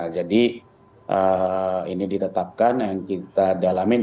jadi ini ditetapkan yang kita dalamin